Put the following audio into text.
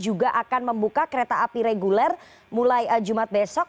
juga akan membuka kereta api reguler mulai jumat besok